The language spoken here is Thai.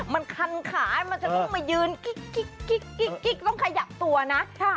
มันคันขามันจะต้องมายืนกิ๊กต้องขยับตัวนะ